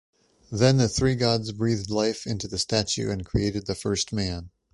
Then the three Gods breathed life into the statue and created the first man.